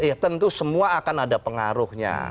ya tentu semua akan ada pengaruhnya